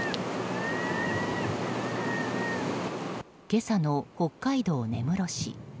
今朝の北海道根室市。